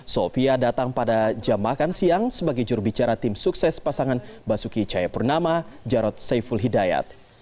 sofia datang pada jam makan siang sebagai jurubicara tim sukses pasangan basuki cahayapurnama jarod saiful hidayat